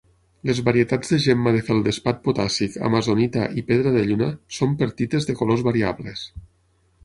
Les varietats de gemma de feldespat potàssic, amazonita i pedra de lluna són pertites de colors variables.